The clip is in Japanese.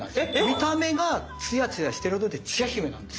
見た目がツヤツヤしてるのでつや姫なんです。